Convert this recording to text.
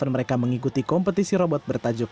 mereka mengikuti kompetisi robot bertajuk